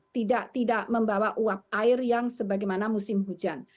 tidak tidak membawa uap air yang sebagaimana musim hujan